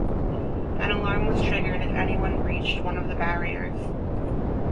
An alarm was triggered if anyone breached one of the barriers.